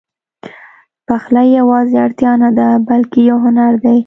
پخلی یواځې اړتیا نه ده، بلکې یو هنر دی.